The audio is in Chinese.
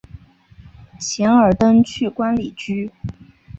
钱尔登去官里居。